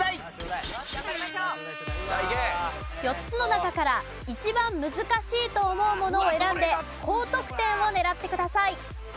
４つの中から一番難しいと思うものを選んで高得点を狙ってください。